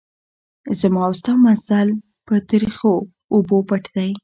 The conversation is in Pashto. زما او ستا منزل په تریخو اوبو پټ دی.